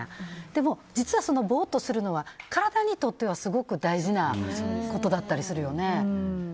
でも、実はそのぼーっとするのは体にとってはすごく大事なことだったりするよね。